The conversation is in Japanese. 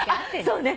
そうね。